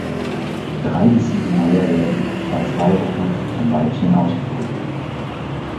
Drei bis sieben Eier werden etwa zwei Wochen vom Weibchen ausgebrütet.